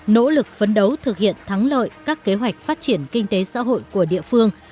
nỗ lực phấn đấu thực hiện thắng lợi các kế hoạch phát triển kinh tế xã hội của địa phương